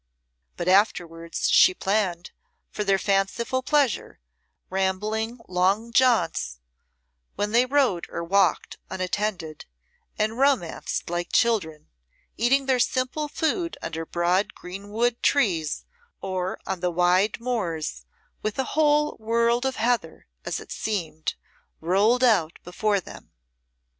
But afterwards she planned, for their fanciful pleasure, rambling long jaunts when they rode or walked unattended, and romanced like children, eating their simple food under broad greenwood trees or on the wide moors with a whole world of heather, as it seemed, rolled out before them.